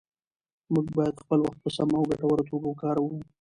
موږ باید خپل وخت په سمه او ګټوره توګه وکاروو